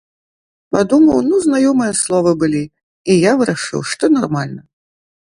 Падумаў, ну, знаёмыя словы былі, і я вырашыў, што нармальна.